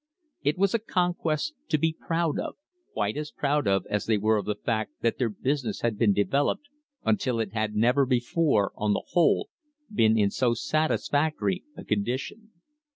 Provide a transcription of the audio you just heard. It was a conquest to be proud of, quite as proud of as they were of the fact that their business had been developed until it had never before, on the whole, been in so satisfactory a condition.